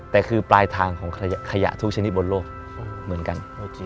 แต่คือปลายทางของขยะทุกชนิดบนโลกเหมือนกันเมื่อกี้